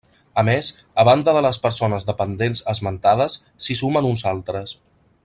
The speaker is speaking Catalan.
A més, a banda de les persones dependents esmentades, s'hi sumen uns altres.